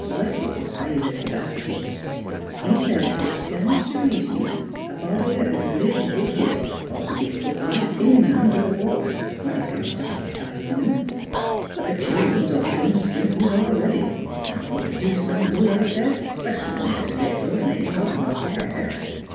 Wes sels favors th' Babtists; he sez it stan's t' rea son a body 'at 'd lived wicked ought t' be put right in under th' water, when it comes t' bab tisin' 'em. But th' childern 's all b'en sprinkled a 'ready; that ought t' do some good, I sez, spe cial when they're little an' ain't got much hair.